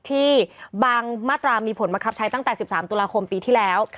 ที่บางมาตรามีผลบังคับใช้ตั้งแต่๑๓ตุลาคมปีที่แล้ว